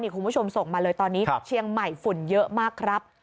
คุณผู้ชมส่งมาเลยตอนนี้เชียงใหม่ฝุ่นเยอะมากครับ